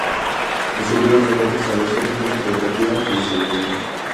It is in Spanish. En su breve mandato estableció reformas educativas y de salubridad.